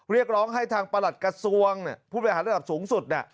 เรียกร้องให้ทางประหลัดกระทรวงผู้บริหารระดับสูงสุด